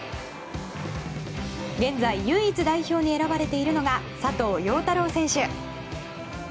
現在、唯一代表に選ばれているのが佐藤陽太郎選手。